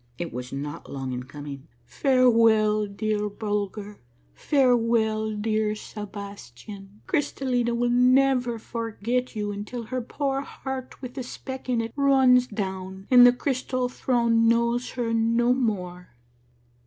It was not long in coming. "Farewell, dear Bulger; farewell, dear Sebastian! Crystal lina will never forget you until her poor heart with the speck in it runs down and the Crystal Throne knows her no more."